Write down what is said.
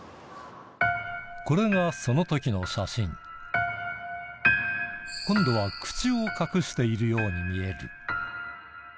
これがその時の写真今度は口を隠しているように見える